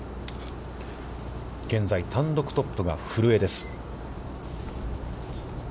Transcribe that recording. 現在単独トップが古江です。